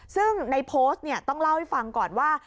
ซึ่งในโพสต์ต้องเล่าให้ฟังก่อนว่า